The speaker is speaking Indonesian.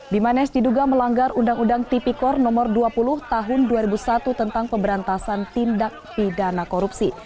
bimanesh diduga melanggar undang undang tipikor nomor dua puluh tahun dua ribu satu tentang pemberantasan tindak pidana korupsi